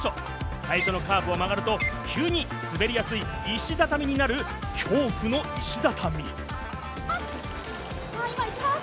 最初のカーブを曲がると急に滑りやすい石畳になる恐怖の石畳。